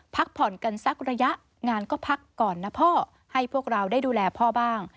พักผ่อนกันสักระยะงานก็พักก่อนนะพ่อให้พวกเราได้ดูแลพ่อบ้าง